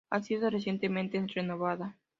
Ha sido recientemente renovada.